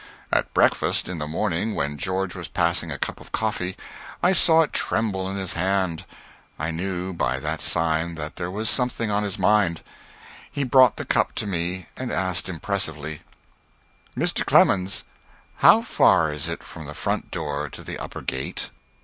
At breakfast in the morning when George was passing a cup of coffee, I saw it tremble in his hand. I knew by that sign that there was something on his mind. He brought the cup to me and asked impressively, "Mr. Clemens, how far is it from the front door to the upper gate?"